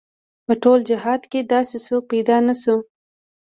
په ټول جهاد کې داسې څوک پيدا نه شو.